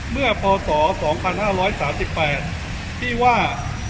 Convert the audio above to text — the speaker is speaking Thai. เมื่อพศ๒๕๓๘ที่ว่า